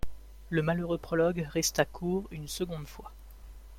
Le malheureux prologue resta court une seconde fois.